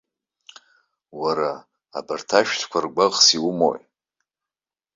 Уара, абарҭ ашәҭқәа ргәаӷс иумои?